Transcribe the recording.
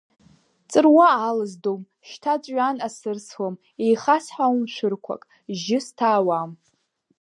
Ҵыруа алыздом, шьҭа ҵәҩан асырсуам, еихасҳауам шәырқәак, жьы сҭаауам.